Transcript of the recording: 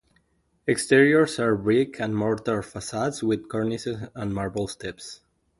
Exteriors are brick and mortar facades with cornices and marble steps.